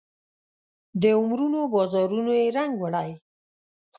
د عمرونو بارانونو یې رنګ وړی